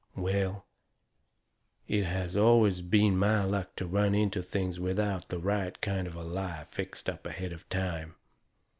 Well, it has always been my luck to run into things without the right kind of a lie fixed up ahead of time.